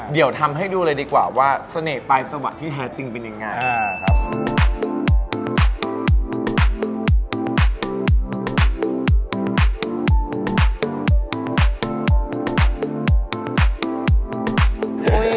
เดี๋ยวทำให้ดูเลยดีกว่าว่าเสน่ห์ปลายสวัสดิ์ที่แท้จริงเป็นยังไง